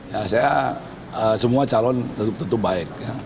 ya saya semua calon tentu baik